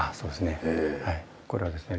これはですね